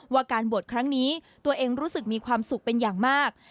ว่าการบวชครั้งนี้ตัวเองรู้สึกมีความสุขเป็นอย่างมาก